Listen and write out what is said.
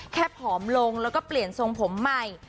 ผอมลงแล้วก็เปลี่ยนทรงผมใหม่